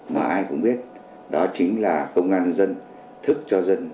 mà ai cũng biết đó chính là công an nhân dân thức cho dân ngủ ngon